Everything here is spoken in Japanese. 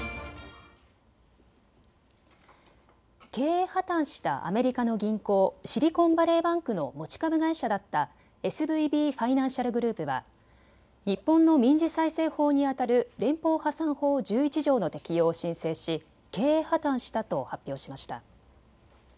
経営破綻したアメリカの銀行、シリコンバレーバンクの持ち株会社だったＳＶＢファイナンシャルグループは日本の民事再生法にあたる連邦破産法１１条の適用を申請し経営破綻したと発表しました。